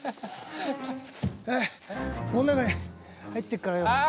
ああこの中に入ってるからよ。